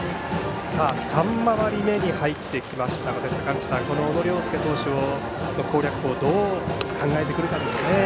３回り目に入ってきましたので坂口さん、小野涼介投手の攻略をどう考えてくるかですね。